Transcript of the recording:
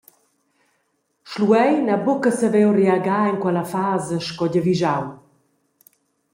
Schluein ha buca saviu reagar en quella fasa sco giavischau.